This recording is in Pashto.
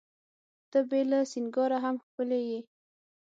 ته بې له سینګاره هم ښکلي یې.